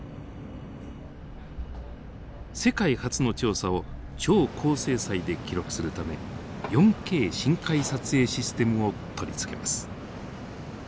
世界初の調査を超高精細で記録するため４Ｋ深海撮影システムを取り付けます。